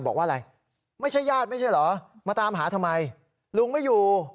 บอกว่าอะไรไม่ใช่ญาติไม่ใช่เหรอมาตามหาทำไมลุงไม่อยู่